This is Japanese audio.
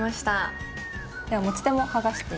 では持ち手も剥がしていって。